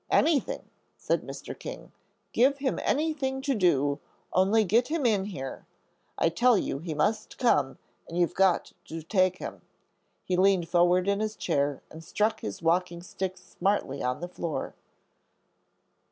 "Anything," said Mr. King. "Give him anything to do; only get him in here. I tell you he must come, and you've got to take him." He leaned forward in his chair and struck his walking stick smartly on the floor.